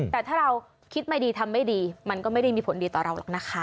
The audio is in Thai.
แต่ถ้าเราคิดไม่ดีทำไม่ดีมันก็ไม่ได้มีผลดีต่อเราหรอกนะคะ